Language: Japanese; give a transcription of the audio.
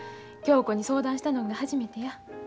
恭子に相談したのんが初めてや。